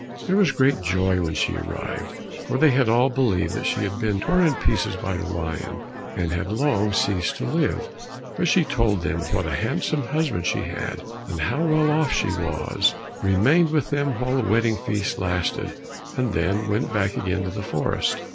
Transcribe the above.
There was great joy when she arrived, for they had all believed that she had been torn in pieces by the lion, and had long ceased to live. But she told them what a handsome husband she had, and how well off she was, remained with them while the wedding feast lasted, and then went back again to the forest.